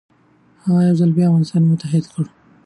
هغه یو ځل بیا افغانستان متحد کړ.